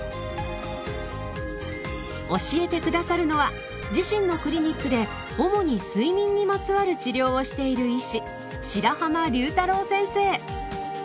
教えて下さるのは自身のクリニックで主に睡眠にまつわる治療をしている医師